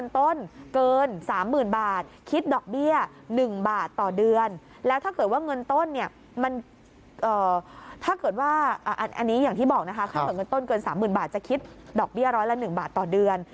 ถ้าเกิดเงินต้นเกิน๓๐๐๐๐บาทจะคิดดอกเบี้ยร้อยละ๑บาทต่อเดือน